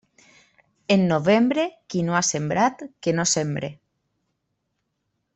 En novembre, qui no ha sembrat, que no sembre.